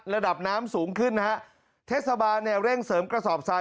ระดับน้ำสูงขึ้นนะฮะเทศบาลเนี่ยเร่งเสริมกระสอบทราย